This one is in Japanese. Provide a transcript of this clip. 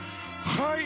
はい。